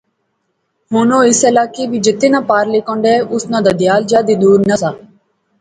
ہن او اس علاقہ وچ جتھیں ناں پارلے کنڈے اس ناں دادھیال جادے دور نہسا